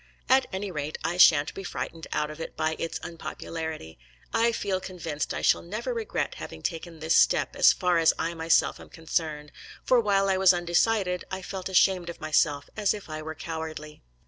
At any rate I sha'n't be frightened out of it by its unpopularity. I feel convinced I shall never regret having taken this step, as far as I myself am concerned; for while I was undecided, I felt ashamed of myself as if I were cowardly.